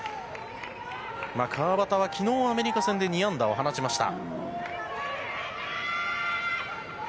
川畑は昨日アメリカ戦で２安打を放ちました。